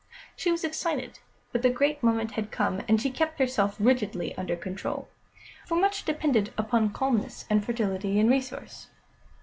She was excited, but the great moment had come, and she kept herself rigidly under control, for much depended upon calmness and fertility in resource.